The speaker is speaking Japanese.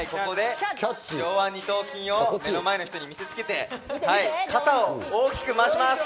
上腕二頭筋を前の人に見せつけて、肩を大きく回します。